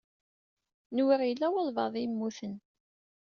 Nwiɣ yella walebɛaḍ i yemmuten.